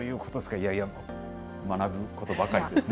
いやいや、学ぶことばかりですね。